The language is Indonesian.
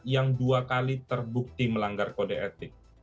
yang dua kali terbukti melanggar kode etik